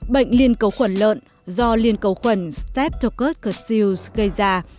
bệnh liên cầu khuẩn lợn do liên cầu khuẩn steptococcus cacius gây ra